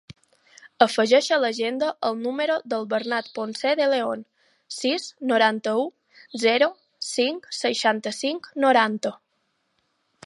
Afegeix a l'agenda el número del Bernat Ponce De Leon: sis, noranta-u, zero, cinc, seixanta-cinc, noranta.